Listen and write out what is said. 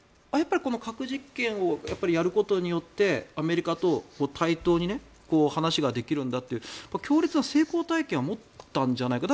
この核実験をやることによってアメリカと対等に話ができるんだという強烈な成功体験を持ったんじゃないか。